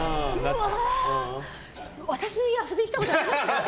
私の家遊びに来たことあります？